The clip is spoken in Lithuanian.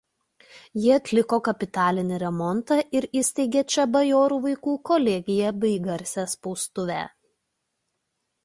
Jie atliko kapitalinį remontą ir įsteigė čia bajorų vaikų kolegiją bei garsią spaustuvę.